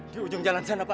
di ujung jalan sana pak